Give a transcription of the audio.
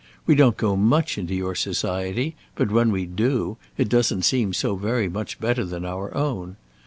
We don't go much into your society; but when we do, it doesn't seem so very much better than our own.